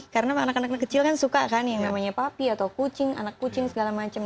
karena anak anak kecil kan suka kan yang namanya papi atau kucing anak kucing segala macam